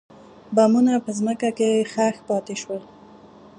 بمونه په ځمکه کې ښخ پاتې شول.